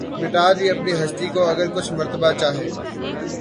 مٹا دی اپنی ھستی کو اگر کچھ مرتبہ چاھے